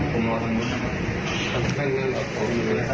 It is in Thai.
ผมรอตรงนู้นนะครับ